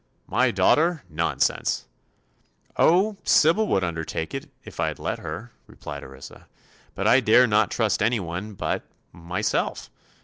"My daughter? Nonsense." "Oh, Sybil would undertake it, if I'd let her," replied Orissa. "But I dare not trust anyone but—myself.